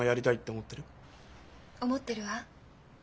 思ってるわ。